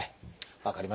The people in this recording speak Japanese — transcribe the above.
分かりました。